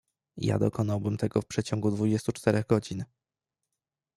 "Ja dokonałbym tego w przeciągu dwudziestu czterech godzin."